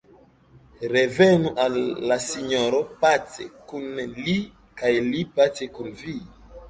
Revenu al la Sinjoro pace kun Li, kaj Li pace kun vi.